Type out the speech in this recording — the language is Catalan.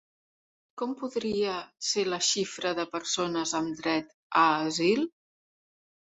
Com podria ser la xifra de persones amb dret a asil?